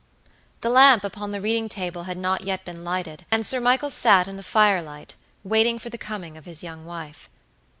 The lamp upon the reading table had not yet been lighted, and Sir Michael sat in the firelight waiting for the coming of his young wife.